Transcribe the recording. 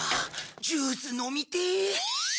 ジュース飲みてえ。